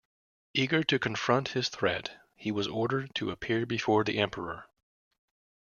Eager to confront this threat, he was ordered to appear before the emperor.